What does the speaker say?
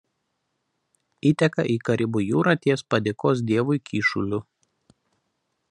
Įteka į Karibų jūrą ties Padėkos Dievui kyšuliu.